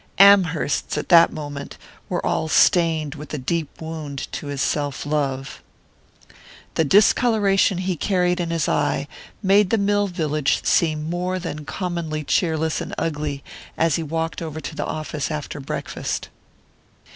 Amherst's, at that moment, were all stained with the deep wound to his self love. The discolouration he carried in his eye made the mill village seem more than commonly cheerless and ugly as he walked over to the office after breakfast.